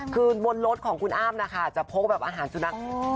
คือบนรถของคุณอ้ำนะคะจะพกแบบอาหารสุนัข